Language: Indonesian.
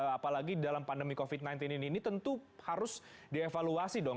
apalagi dalam pandemi covid sembilan belas ini ini tentu harus dievaluasi dong